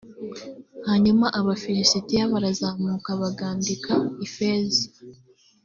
hanyuma abafilisitiya barazamuka bagandika i fezi